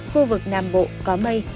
khu vực nam bộ có mây